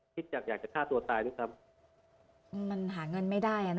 คิดอยากจ๊ะจะฆ่าตัวตายเลยครับ